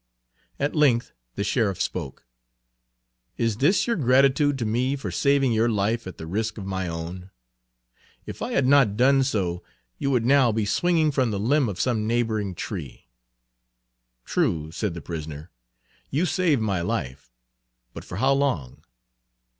At length the sheriff spoke: "Is this your gratitude to me for saving your life at the risk of my own? If I had not done so, you would now be swinging from the limb of some neighboring tree." "True," said the prisoner, "you saved my Page 82 life, but for how long?